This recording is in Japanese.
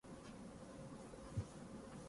あなたと過ごすなら後悔はありません